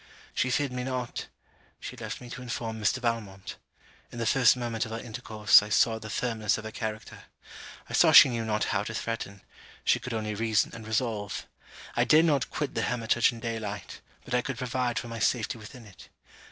'She feared me not' She left me to inform Mr. Valmont. In the first moment of our intercourse, I saw the firmness of her character. I saw she knew not how to threaten; she could only reason and resolve. I dared not quit the hermitage in day light, but I could provide for my safety within it.